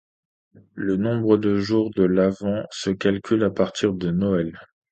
Le nombre de jours de l'Avent se calcule à partir de Noël.